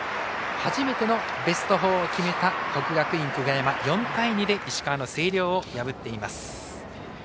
初めてのベスト４を決めた国学院久我山４対２で石川の星稜を破っています。